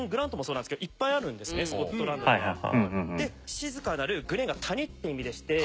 静かなるグレンが「谷」って意味でして。